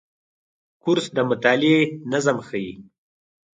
کورس د مطالعې نظم ښيي.